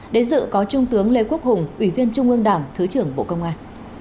đến dự có trung tướng lê quốc hùng ủy viên trung ương đảng thứ trưởng bộ công an